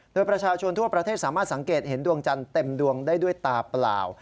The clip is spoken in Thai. โดยประชาชนทั่วประเทศสามารถสังเกตเห็นดวงจันทร์เต็มดวงได้ด้วยตาเปล่า